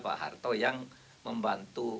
pak harto yang membantu